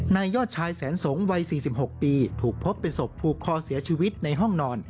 ยอดชายแสนสงฆ์วัย๔๖ปีถูกพบเป็นศพผูกคอเสียชีวิตในห้องนอน